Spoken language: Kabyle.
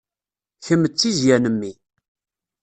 Kemm d tizzya n mmi.